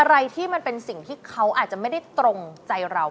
อะไรที่มันเป็นสิ่งที่เขาอาจจะไม่ได้ตรงใจเรา